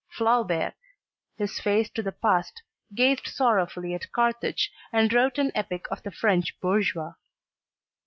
Flaubert, his face to the past, gazed sorrowfully at Carthage and wrote an epic of the French bourgeois.